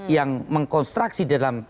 yang mengkonstruksi dalam